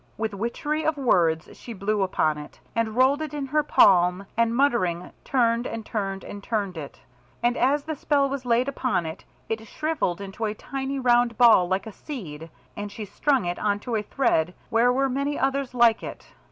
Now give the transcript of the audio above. With witchery of words she blew upon it, and rolled it in her palm, and muttering, turned and turned and turned it. And as the spell was laid upon it, it shrivelled into a tiny round ball like a seed, and she strung it on to a thread, where were many others like it.